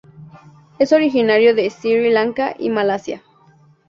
Es originario de Sri Lanka y Malasia.